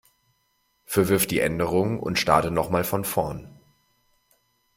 Verwirf die Änderungen und starte noch mal von vorn.